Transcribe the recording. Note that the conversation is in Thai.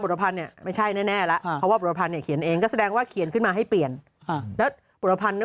คือคนที่ถูกเปลี่ยนมีสองคนคือลิชชี่เปลี่ยนเป็นมารีน่า